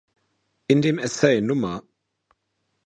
In dem Essay „Nr.